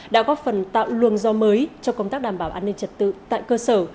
đã góp phần tạo luồng do mới cho công tác đảm bảo an ninh trật tự tại cơ sở